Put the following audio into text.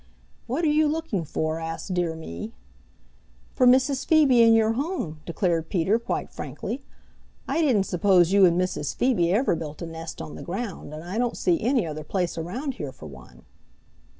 "What are you looking for?" asked Dear Me. "For Mrs. Phoebe and your home," declared Peter quite frankly. "I didn't suppose you and Mrs. Phoebe ever built a nest on the ground, and I don't see any other place around here for one."